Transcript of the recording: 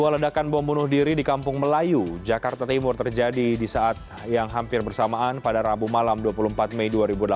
dua ledakan bom bunuh diri di kampung melayu jakarta timur terjadi di saat yang hampir bersamaan pada rabu malam dua puluh empat mei dua ribu delapan belas